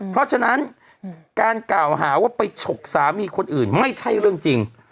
เพราะฉะนั้นการกล่าวหาว่าไปฉกสามีคนอื่นไม่ใช่เรื่องจริง